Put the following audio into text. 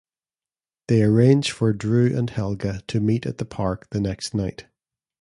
They arrange for Drew and Helga to meet at the park the next night.